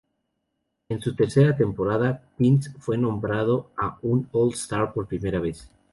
En su tercera temporada, Pence fue nombrado a un All-Star por primera vez.